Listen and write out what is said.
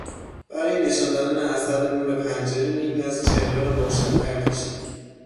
برای نشان دادن اثر نور پنجره، نیمی از چهره را روشنتر کشید.